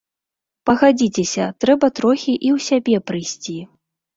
Пагадзіцеся, трэба трохі і ў сябе прыйсці.